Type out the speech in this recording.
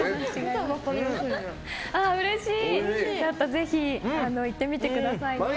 ぜひ行ってみてくださいね。